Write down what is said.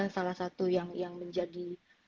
salah satu yang menjadi